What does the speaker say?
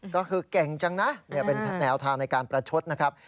ก็คือเก่งจังนะเป็นแนวทางในการประชดนะครับ